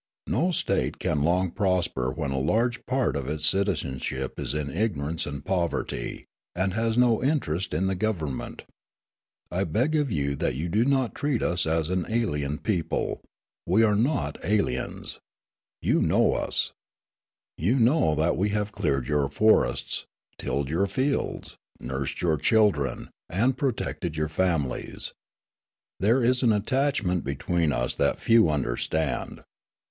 No State can long prosper when a large part of its citizenship is in ignorance and poverty, and has no interest in the government. I beg of you that you do not treat us as an alien people. We are not aliens. You know us. You know that we have cleared your forests, tilled your fields, nursed your children, and protected your families. There is an attachment between us that few understand.